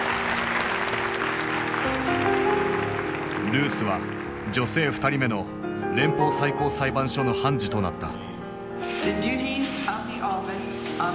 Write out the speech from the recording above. ルースは女性２人目の連邦最高裁判所の判事となった。